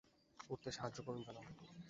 উঠতে সাহায্য করুন, জনাব।